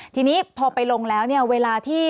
ทีนี้พอไปลงแล้วเนี่ยเวลาที่